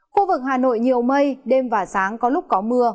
khu vực hà nội nhiều mây đêm và sáng có lúc có mưa